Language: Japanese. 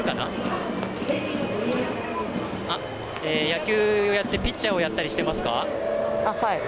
野球をやってピッチャーやったりしてますか？